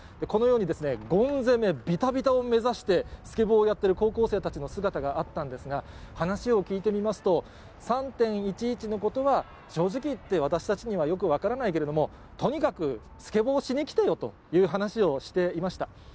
このようにゴン攻め、びたびたを目指して、スケボーをやってる高校生たちの姿があったんですが、話を聞いてみますと、３・１１のことは正直言って、私たちにはよく分からないけれども、とにかくスケボーをしに来てよという話をしていました。